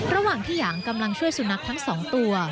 ระหว่างที่หยางกำลังช่วยสุนัขทั้ง๒ตัว